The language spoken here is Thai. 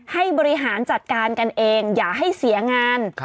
ให้บริหารจัดการกันเองอย่าให้เสียงาน